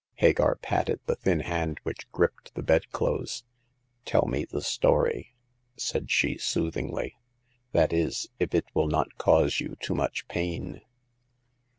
Hagar patted the thin hand which gripped the bedclothes. " Tell me the story," said she, sooth ingly — "that is, if it will not cause you too much pain."